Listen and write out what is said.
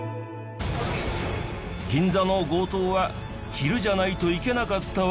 銀座の強盗は昼じゃないといけなかった訳が。